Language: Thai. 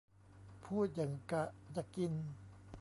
พูดหยั่งกะจะกิน